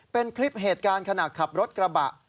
เป็นคลิปเหตุการณ์ขณะขับรถกระบะ